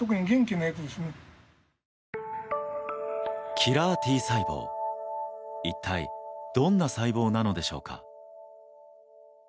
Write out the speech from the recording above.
キラーＴ細胞一体どんな細胞なのでしょうか。